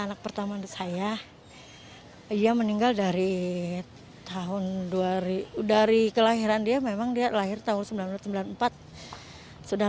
anak pertama saya ia meninggal dari tahun dua ribu dari kelahiran dia memang dia lahir tahun seribu sembilan ratus sembilan puluh empat sudah